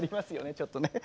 ちょっとね。